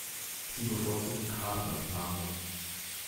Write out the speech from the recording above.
Sie bevorzugen Gras als Nahrung.